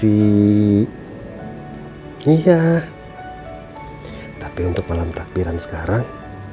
iya tapi untuk malam takbiran sekarang